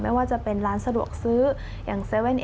ไม่ว่าจะเป็นร้านสะดวกซื้ออย่าง๗๑๑